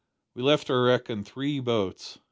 We left our wreck in three boats.